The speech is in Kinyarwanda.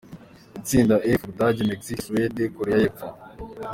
Itsinda F: U Budage, Mexique, Suède, Koreya y’Epfo.